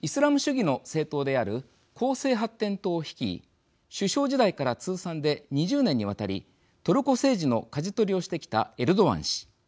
イスラム主義の政党である公正発展党を率い首相時代から通算で２０年にわたりトルコ政治のかじ取りをしてきたエルドアン氏。